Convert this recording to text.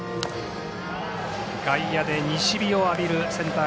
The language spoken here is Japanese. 外野で西日を浴びるセンター